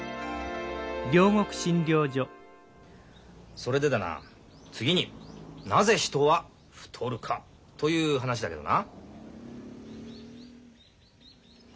それでだな次になぜ人は太るかという話だけどな。